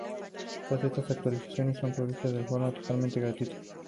Todas estas actualizaciones son provistas de forma totalmente gratuita.